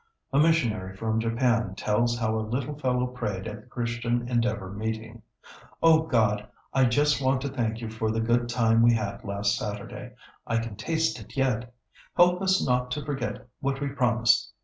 A missionary from Japan tells how a little fellow prayed at the Christian Endeavor meeting, "Oh God, I just want to thank you for the good time we had last Saturday, I can taste it yet; help us not to forget what we promised then."